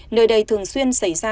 nơi đây thường xuyên xảy ra